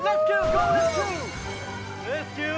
ゴーレスキュー！